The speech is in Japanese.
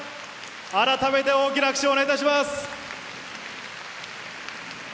改めて大きな拍手をお願いいたします。